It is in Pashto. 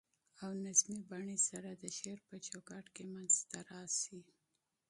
او نظمي بڼې سره د شعر په چو کاټ کي منځ ته راشي.